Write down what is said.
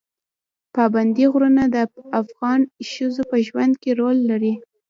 پابندی غرونه د افغان ښځو په ژوند کې رول لري.